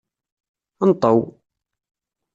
Nṭew!